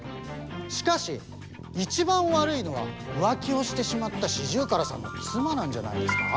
しかし一番悪いのは浮気をしてしまったシジュウカラさんの妻なんじゃないですか？